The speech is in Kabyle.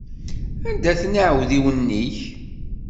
Anda-ten iεudiwen-ik?